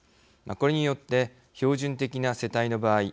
これによって標準的な世帯の場合